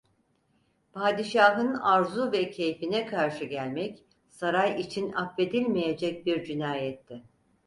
Padişahın arzu ve keyfine karşı gelmek, saray için affedilmeyecek bir cinayetti.